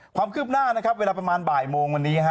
ความคืบหน้าเวลาประมาณบ่ายโมงที่วันนี้